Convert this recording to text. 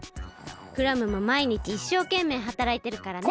クラムもまいにちいっしょうけんめいはたらいてるからね。